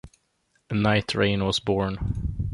"Nightrain" was born.